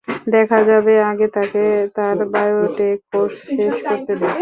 দেখা যাবে, আগে তাকে তার বায়ো টেক কোর্স শেষ করতে দে।